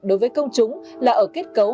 đối với công chúng là ở kết cấu